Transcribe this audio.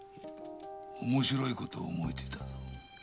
面白いことを思いついた。